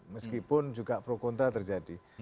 meskipun juga pro kontra terjadi